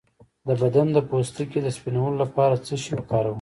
د بدن د پوستکي د سپینولو لپاره څه شی وکاروم؟